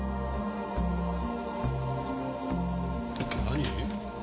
何？